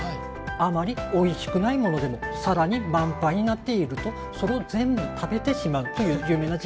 あまりおいしくないものでも皿に満杯になっているとそれを全部食べてしまうという有名な実験があります。